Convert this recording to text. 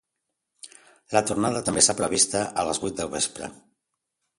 La tornada també està prevista a les vuit del vespre.